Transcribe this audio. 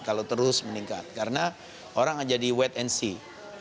kalau terus meningkat karena orang jadi wait and see